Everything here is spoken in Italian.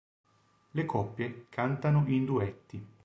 Le coppie cantano in duetti.